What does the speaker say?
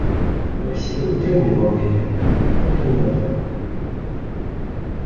Васіль утрымліваў яе, але ненадоўга.